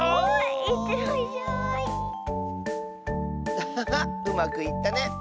アハハうまくいったね！